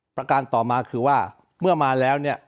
ประการต่อมาคือว่าเมื่อมาแล้วเนี่ย